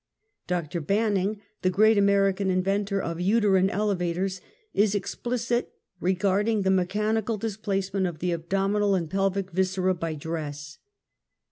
Dr. Banning, the great American inventor of uter ine elevators^ is explicit regarding the mechanical dis placing of the abdominal and pelvic vicera by dress.